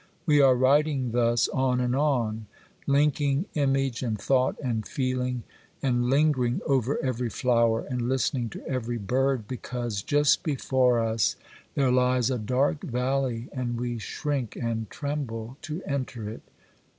We are writing thus on and on, linking image and thought and feeling, and lingering over every flower, and listening to every bird, because just before us there lies a dark valley, and we shrink and tremble to enter it.